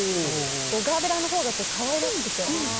ガーベラのほうが可愛らしくて。